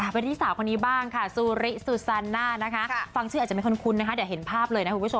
ไปที่สาวคนนี้บ้างค่ะซูริสุซาน่าฟังชื่ออาจจะไม่ค่อนคุ้นเดี๋ยวเห็นภาพเลย